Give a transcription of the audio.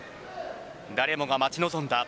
誰もが待ち望んだ